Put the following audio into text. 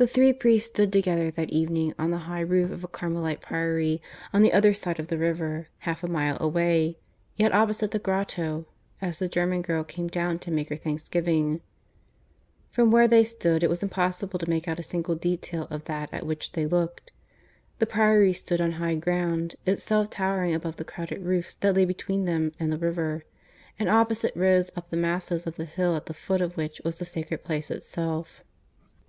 (V) The three priests stood together that evening on the high roof of a Carmelite priory, on the other side of the river, half a mile away, yet opposite the grotto, as the German girl came down to make her thanksgiving. From where they stood it was impossible to make out a single detail of that at which they looked. The priory stood on high ground, itself towering above the crowded roofs that lay between them and the river; and opposite rose up the masses of the hill at the foot of which was the sacred place itself.